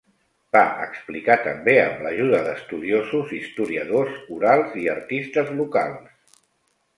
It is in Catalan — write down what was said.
Va explicar també amb l'ajuda d'estudiosos, historiadors orals i artistes locals.